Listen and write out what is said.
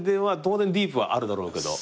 当然ディープはあるだろうけど。